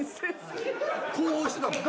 こうしてたもん。